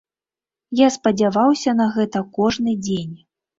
Я спадзяваўся на гэта кожны дзень.